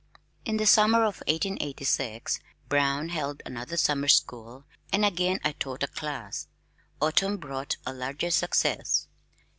In the summer of 1886 Brown held another Summer School and again I taught a class. Autumn brought a larger success.